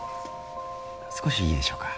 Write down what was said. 少しいいでしょうか。